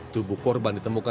tubuh korban ditemukan